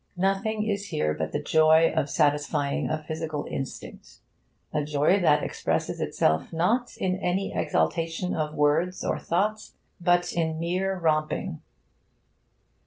Nothing is here but the joy of satisfying a physical instinct a joy that expresses itself not in any exaltation of words or thoughts, but in mere romping.